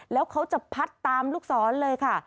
แล้วเขาจะพัดตามลูกศรเลยค่ะ